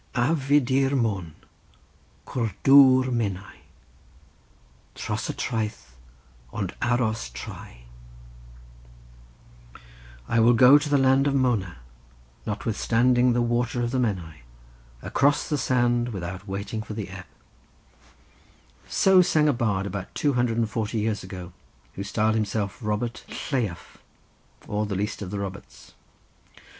"Av i dir Môn, cr dwr Menai, Tros y traeth, ond aros trai." "I will go to the land of Mona, notwithstanding the water of the Menai, across the sand, without waiting for the ebb." So sang a bard about two hundred and forty years ago, who styled himself Robert Lleiaf, or the least of the Roberts.